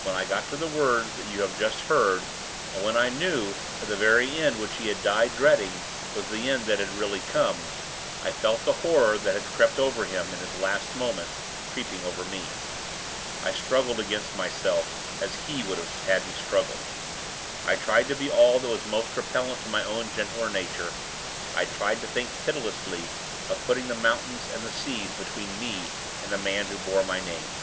When I got to the words that you have just heard, and when I knew that the very end which he had died dreading was the end that had really come, I felt the horror that had crept over him in his last moments creeping over me. I struggled against myself, as he would have had me struggle. I tried to be all that was most repellent to my own gentler nature; I tried to think pitilessly of putting the mountains and the seas between me and the man who bore my name.